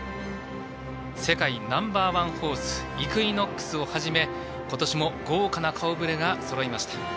世界ナンバーワンホースイクイノックスをはじめ今年も豪華な顔ぶれがそろいました。